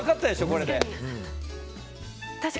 これで。